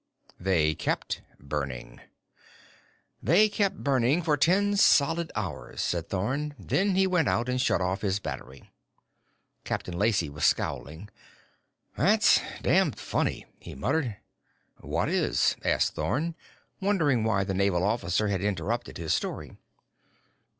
They kept burning "... They kept burning for ten solid hours," said Thorn. "Then he went out and shut off his battery." Captain Lacey was scowling. "That's damned funny," he muttered. "What is?" asked Thorn, wondering why the naval officer had interrupted his story.